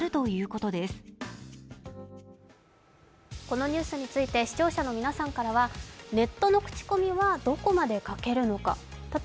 このニュースについて視聴者の皆さんからはネットの口コミはどこまで書けるのか